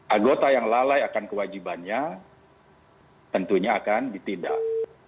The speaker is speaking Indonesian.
anggota yang lalai akan kewajibannya tentunya akan ditindak